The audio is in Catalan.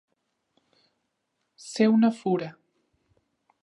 Ser una fura.